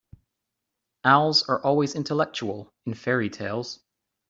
Owls are always intellectual in fairy-tales.